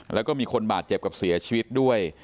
แล้วก็มีคนบาดเจ็บกับเสียชีวิตด้วย